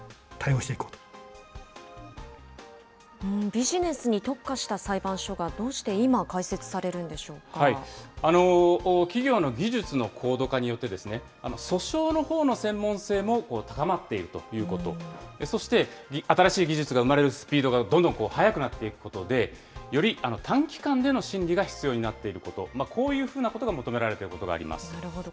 ビジネスに特化した裁判所がどうして今、開設されるんでしょ企業の技術の高度化によって、訴訟のほうの専門性も高まっているということ、そして、新しい技術が生まれるスピードがどんどん早くなっていくことで、より短期間での審理が必要になっていること、こういうふうなことなるほど。